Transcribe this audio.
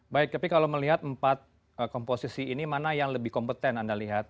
baik tapi kalau melihat empat komposisi ini mana yang lebih kompeten anda lihat